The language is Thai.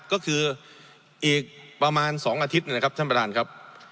ก็คืออีกประมาณ๒อาทิตย์นะครับท่านประธานครับ